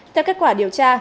theo kết quả điều tra